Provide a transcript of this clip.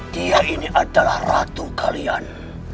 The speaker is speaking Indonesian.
dia ini adalah ratu kalian